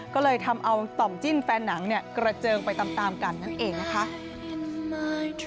ก็เลยทำเอาต่อมจิ้นแฟนหนังเนี่ยกระเจิงไปตามกันนั่นเองนะคะ